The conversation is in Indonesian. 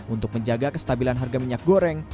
untuk menjaga kestabilan harga minyak goreng